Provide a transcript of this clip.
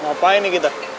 mau apaan ini kita